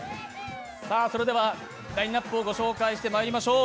それでは、ラインナップを御紹介してまいりましょう。